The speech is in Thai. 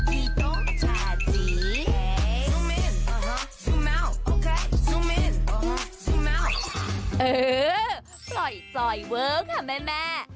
ปล่อยจอยเวอร์ค่ะแม่